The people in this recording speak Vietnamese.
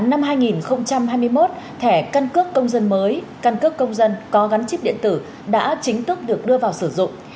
năm hai nghìn hai mươi một thẻ căn cước công dân mới căn cước công dân có gắn chip điện tử đã chính thức được đưa vào sử dụng